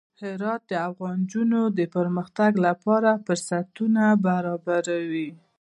هرات د افغان نجونو د پرمختګ لپاره فرصتونه برابروي.